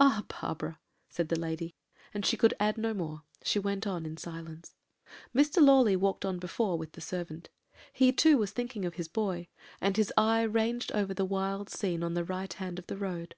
"'Ah, Barbara!' said the lady; and she could add no more she went on in silence. "Mr. Lawley walked on before with the servant. He, too, was thinking of his boy, and his eye ranged over the wild scene on the right hand of the road.